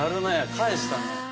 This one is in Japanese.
返したね。